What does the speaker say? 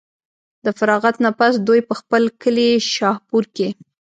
د فراغت نه پس دوي پۀ خپل کلي شاهپور کښې